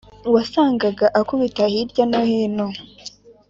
Wasangaga akubita hirya no hino